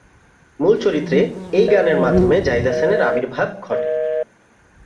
মূল চলচ্চিত্রে এই গানের মাধ্যমে জাহিদ হাসানের আবির্ভাব ঘটে।